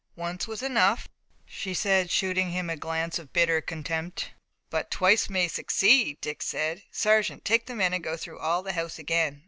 "Once was enough," she said, shooting him a glance of bitter contempt. "But twice may succeed," Dick said. "Sergeant, take the men and go through all the house again.